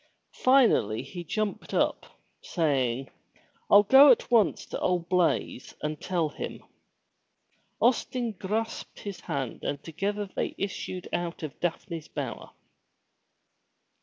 Finally he jumped up, saying: " Fll go at once to old Blaize and tell him.'* Austin grasped his hand and together they issued out of Daphne's Bower.